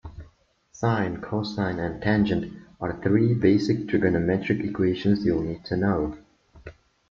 Sine, cosine and tangent are three basic trigonometric equations you'll need to know.